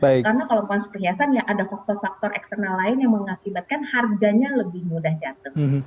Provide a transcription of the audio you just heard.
karena kalau emas perhiasan ya ada faktor faktor eksternal lain yang mengakibatkan harganya lebih mudah jatuh